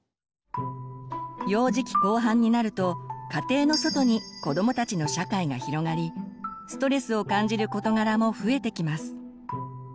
幼児期後半になると家庭の外に子どもたちの社会が広がりストレスを感じる事柄も増えてきます。